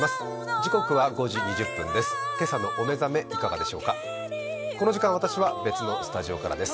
時刻は５時２０分です。